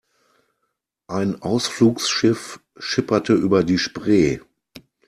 Ein Ausflugsschiff schipperte über die Spree.